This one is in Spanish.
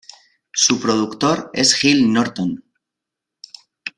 Su productor es Gil Norton.